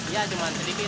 ya cuma sedikit